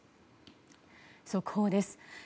速報です。